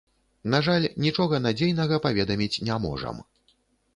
На жаль, нічога надзейнага паведаміць не можам.